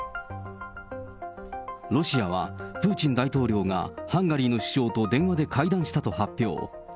ロシアはプーチン大統領がハンガリーの首相と電話で会談したと発表。